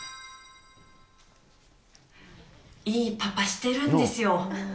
いいパパしてるんですよ。